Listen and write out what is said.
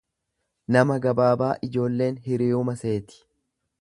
Nama gabaabaa ijoolleen hiriyuma seeti.